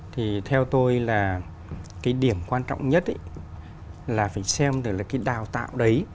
thì theo tôi là cái điểm quan trọng nhất là phải xem được là cái đào tạo đấy